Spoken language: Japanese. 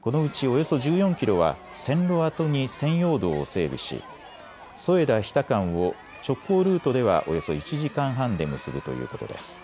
このうちおよそ１４キロは線路跡に専用道を整備し添田・日田間を直行ルートではおよそ１時間半で結ぶということです。